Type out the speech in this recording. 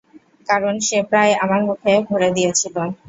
কারণ সে প্রায় আমার মুখে ভরে দিয়েছিল।